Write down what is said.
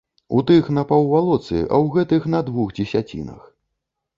У тых на паўвалоцы, а ў гэтых на двух дзесяцінах.